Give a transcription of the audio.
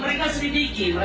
amrudallah di sini baik